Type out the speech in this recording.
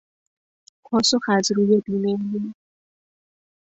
پاسخ از روی بیمیلی